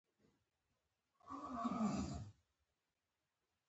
خوړل انسان ته خوشالي ورکوي